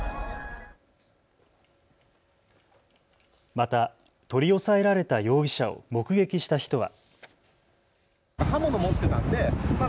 また取り押さえられた容疑者を目撃した人は。